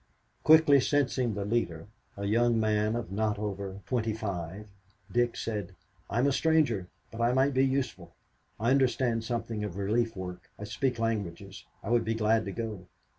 Quickly sensing the leader, a young man of not over twenty five, Dick said, "I'm a stranger, but I might be useful. I understand something of relief work. I speak languages. I would be glad to go."